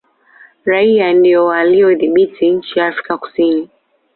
raia ndio waliyoidhibiti nchi ya afrika kusini